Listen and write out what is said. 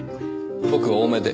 僕多めで。